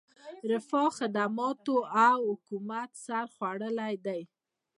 رفاه، خدماتو او حکومت سر خوړلی دی.